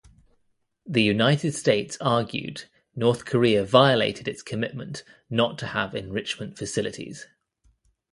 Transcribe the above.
The United States argued North Korea violated its commitment not to have enrichment facilities.